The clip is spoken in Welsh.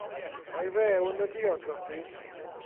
Ga i rew yn y ddiod 'ma plis?